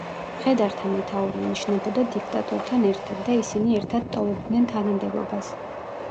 მხედართა მეთაური ინიშნებოდა დიქტატორთან ერთად და ისინი ერთად ტოვებდნენ თანამდებობას.